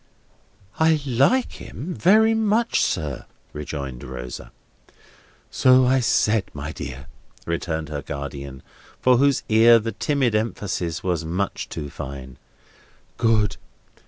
"I like him very much, sir," rejoined Rosa. "So I said, my dear," returned her guardian, for whose ear the timid emphasis was much too fine. "Good.